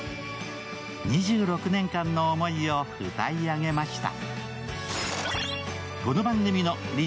２６年間の思いを歌い上げました。